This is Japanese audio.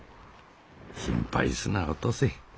心配すなお登勢。